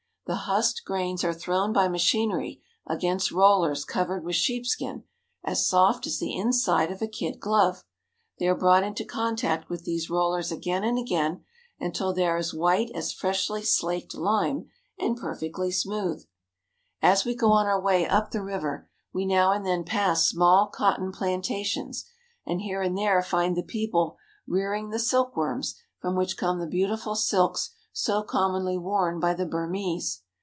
The husked grains are thrown by machinery against rollers covered with sheepskin as soft as the inside of a kid glove. They are brought into contact with these rollers again and again, until they are as white as freshly slaked lime and per fectly smooth. As we go on our way up the river, we now and then pass smalj cotton plantations, and here and there find the people rearing the silkworms from which come the beautiful silks so commonly worn by the Burmese.